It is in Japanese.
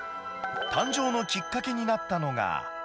誕生のきっかけになったのが。